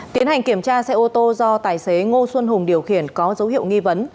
tiến hành kiểm tra xe ô tô do tài xế ngô xuân hùng điều khiển có dấu hiệu nghi vấn